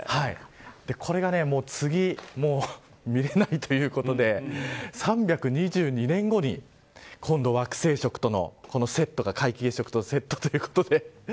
これが次見れないということで３２２年後に今度は惑星食とのセットが皆既月食とセットということで。